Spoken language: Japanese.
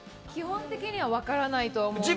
基本的には分からないとは思